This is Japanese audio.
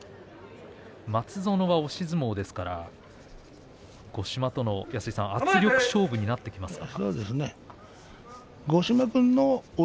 松園が押し相撲ですから五島との圧力勝負になってきますか。